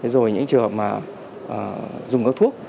rồi những trường hợp mà dùng các thuốc